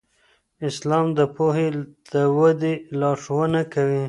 اسلام د پوهې د ودې لارښوونه کوي.